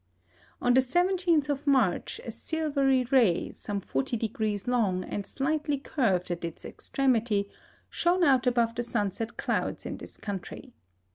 " On the 17th of March a silvery ray, some 40° long and slightly curved at its extremity, shone out above the sunset clouds in this country.